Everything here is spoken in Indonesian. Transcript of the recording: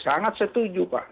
sangat setuju pak